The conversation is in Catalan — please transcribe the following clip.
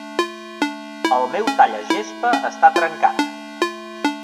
El meu tallagespa està trencat.